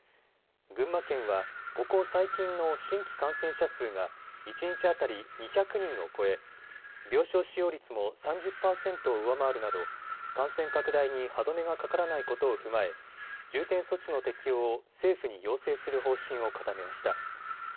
群馬県はここ最近の新規感染者数が一日当たり２００人を超え病床使用率も３０％を上回るなど感染拡大に歯止めがかからないことを踏まえ重点措置の適用を政府に要請する方針を固めました。